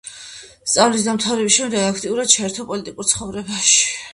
სწავლის დამთავრების შემდეგ აქტიურად ჩაერთო პოლიტიკურ ცხოვრებაში.